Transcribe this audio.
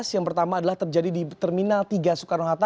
yang pertama adalah terjadi di terminal tiga soekarno hatta